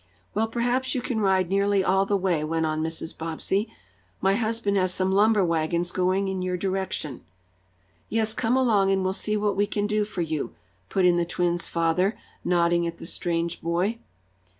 "Well, perhaps you can ride nearly all the way," went on Mrs. Bobbsey. "My husband has some lumber wagons going in your direction." "Yes, come along and we'll see what we can do for you," put in the twins' father, nodding at the strange boy.